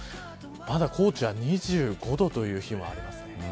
まだ高知は２５度という日もありますね。